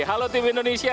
halo tim indonesia